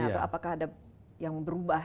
atau apakah ada yang berubah